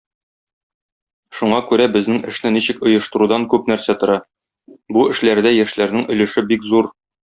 Шуңа күрә безнең эшне ничек оештырудан күп нәрсә тора, бу эшләрдә яшьләрнең өлеше бик зур.